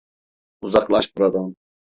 Uzaklaş buradan!